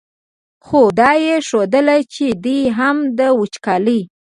خو دا یې ښودله چې دی هم د وچکالۍ.